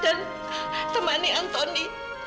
dan temani antoni